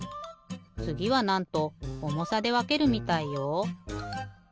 つぎはなんと重さでわけるみたいよ。